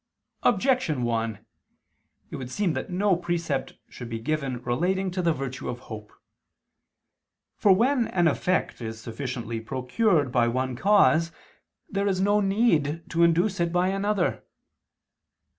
Objection 1: It would seem that no precept should be given relating to the virtue of hope. For when an effect is sufficiently procured by one cause, there is no need to induce it by another.